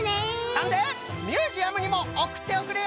そんでミュージアムにもおくっておくれよ。